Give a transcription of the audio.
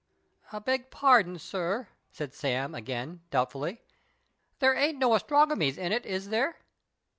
''" Beg pardon, sir," said Sam again, doubtfully, " there ain't no astrongomies in it, is there